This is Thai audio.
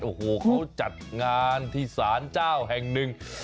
โอ้โหเขาจัดงานที่สารเจ้าแห่งหนึ่ง